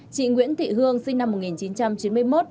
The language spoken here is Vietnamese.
chị nguyễn thị hương sinh năm một nghìn chín trăm chín mươi một